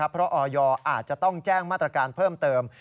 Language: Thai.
เพราะออยอาจจะต้องแจ้งมาตรการเพิ่มเติม